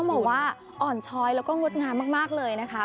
บอกว่าอ่อนช้อยแล้วก็งดงามมากเลยนะคะ